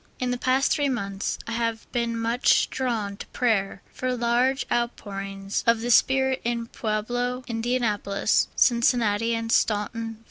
In the past three months I have been much drawn to pray for large outpourings of the Spirit in Pueblo, Indianapolis, Cincinnati, and Staunton, Va.